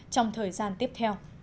trong thời gian tiếp theo